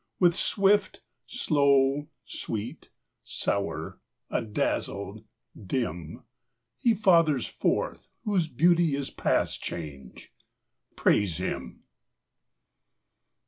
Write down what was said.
With swift, slow; sweet, sour; adazzle, dim; He fathers forth whose beauty is past change: Praise him.